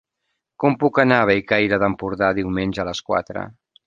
Com puc anar a Bellcaire d'Empordà diumenge a les quatre?